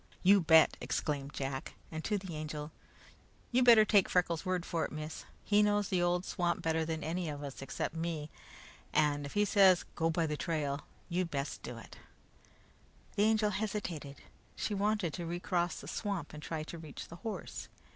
"You bet!" exclaimed Jack. And to the Angel: "You better take Freckles' word for it, miss. He knows the old swamp better than any of us, except me, and if he says 'go by the trail,' you'd best do it." The Angel hesitated. She wanted to recross the swamp and try to reach the horse.